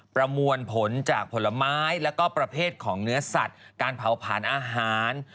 ประมวลผลจากผลไม้แล้วก็ประเภทของเนื้อสัตว์การเผาผลาญอาหาร